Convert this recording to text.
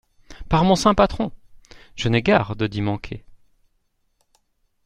Par mon saint patron ! je n’ai garde d’y manquer.